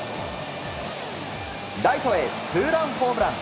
ライトへツーランホームラン。